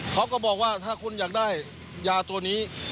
เขาก็บอกว่าถ้าคุณอยากได้ยาตัวนี้